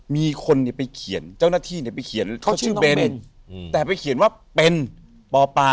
มีคนเนี่ยไปเขียนเจ้าหน้าที่เนี่ยไปเขียนเขาชื่อเบนแต่ไปเขียนว่าเป็นปป